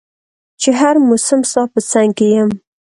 چي هر مسم ستا په څنګ کي يم